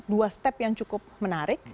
dua step yang cukup menarik